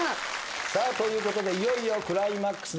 さあということでいよいよクライマックスです。